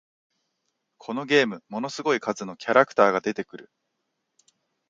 このゲーム、ものすごい数のキャラクターが出てくる